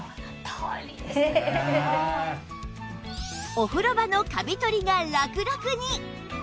お風呂場のカビ取りがラクラクに！